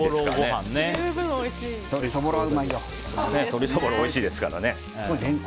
鶏そぼろ、おいしいですからね。